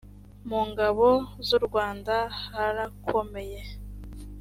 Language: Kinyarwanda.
mu ngabo z u rwanda harakomeye